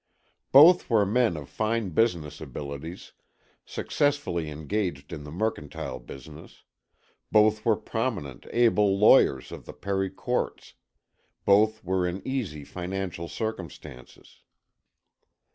Both were men of fine business abilities, successfully engaged in the mercantile business; both were prominent, able lawyers of the Perry courts; both were in easy financial circumstances.